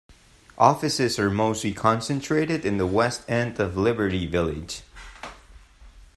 Offices are mostly concentrated in the west end of Liberty Village.